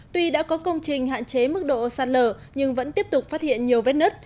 tuy đã có công trình hạn chế mức độ sạt lở nhưng vẫn tiếp tục phát hiện nhiều vết nứt